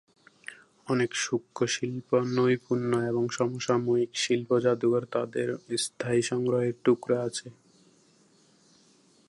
অনেক সূক্ষ্ম শিল্প, নৈপুণ্য, এবং সমসাময়িক শিল্প জাদুঘর তাদের স্থায়ী সংগ্রহের টুকরা আছে।